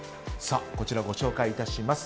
こちらご紹介いたします。